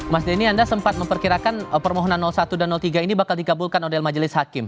mas denny anda sempat memperkirakan permohonan satu dan tiga ini bakal dikabulkan oleh majelis hakim